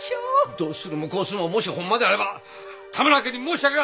どうするもこうするももしほんまであれば多村家に申し訳が立たん！